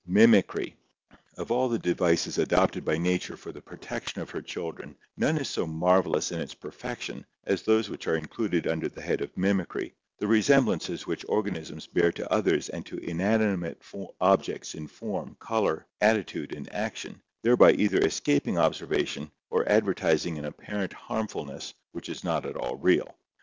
MIMICRY Of all the devices adopted by nature for the protection of her children none is so marvelous in its perfection as those which are included under the head of mimicry — the resemblances which organisms bear to others and to inanimate objects in form, color, attitude, and action, thereby either escaping observation or ad vertising an apparent harmfulness which is not at all real.